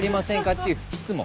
っていう質問。